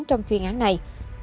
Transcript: trong chuyên án này